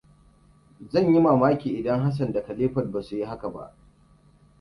Zan yi mamaki idan Hassan da Khalifat ba su yi haka ba.